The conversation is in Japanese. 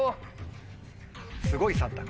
すごい３択。